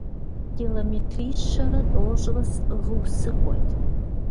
Километрищэрэ тӏощӏрэ сӏыгъыу сыкӏуэт.